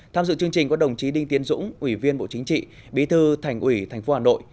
tham dự chương trình có đồng chí đinh tiến dũng ủy viên bộ chính trị bí thư thành ủy tp hà nội